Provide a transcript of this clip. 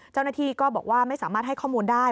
เจ้าหน้าที่ก็บอกว่าไม่สามารถให้ข้อมูลได้